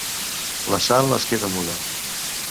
La Sal es queda muda.